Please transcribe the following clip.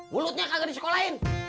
mulutnya kagak disekolahin